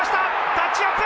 タッチアップ！